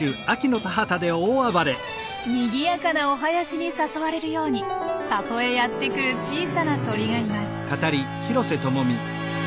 にぎやかなお囃子に誘われるように里へやって来る小さな鳥がいます。